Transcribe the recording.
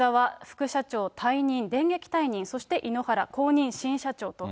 副社長退任、電撃退任、そして井ノ原後任新社長と。